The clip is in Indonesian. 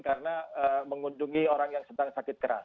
karena mengunjungi orang yang sedang sakit keras